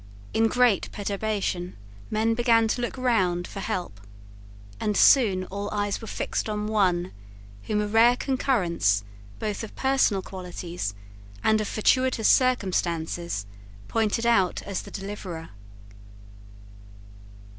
In great perturbation men began to look round for help; and soon all eyes were fixed on one whom a rare concurrence both of personal qualities and of fortuitous circumstances pointed out as the deliverer.